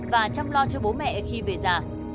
và chăm lo cho bố mẹ khi về già